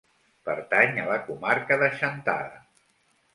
Pertany a la comarca de Chantada.